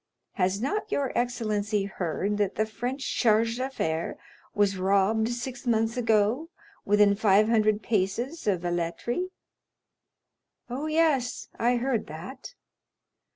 Has not your excellency heard that the French chargé d'affaires was robbed six months ago within five hundred paces of Velletri?" "Oh, yes, I heard that."